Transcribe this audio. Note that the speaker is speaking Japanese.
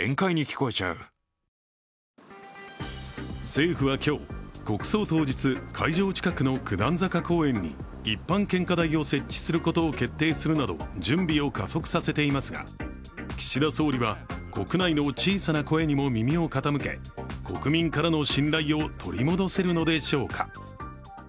政府は今日、国葬当日、会場近くの九段坂公園に一般献花台を設置することを決定するなど準備を加速させていますが、岸田総理は、国内の小さな声にも耳を傾け国民からの信頼を取り戻せるのでしょうか。